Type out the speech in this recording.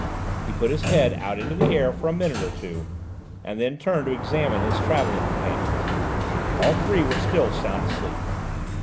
He put his head out into the air for a minute or two, and then turned to examine his travelling companions. All three were still sound asleep.